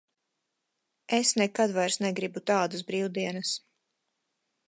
Es nekad vairs negribu tādas brīvdienas.